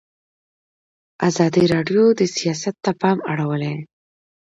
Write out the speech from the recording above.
ازادي راډیو د سیاست ته پام اړولی.